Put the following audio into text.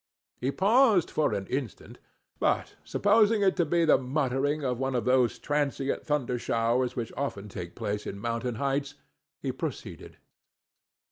He paused for an instant, but supposing it to be the muttering of one of those transient thunder showers which often take place in mountain heights, he proceeded.